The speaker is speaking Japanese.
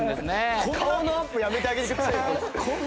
顔のアップやめてあげてくださいよ。